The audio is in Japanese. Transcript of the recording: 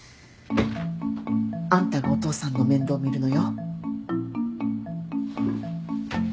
あんたがお父さんの面倒見るのよ。